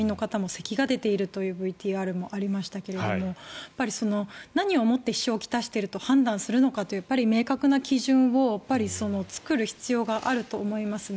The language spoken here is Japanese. すでに住民の方もせきが出ているという話もありましたけど何をもって支障を来していると判断するのかという明確な基準を作る必要があると思いますね。